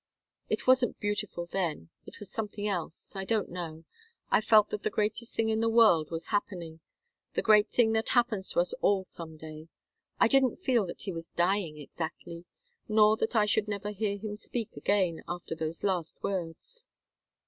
"It wasn't beautiful then it was something else I don't know. I felt that the greatest thing in the world was happening the great thing that happens to us all some day. I didn't feel that he was dying exactly nor that I should never hear him speak again after those last words."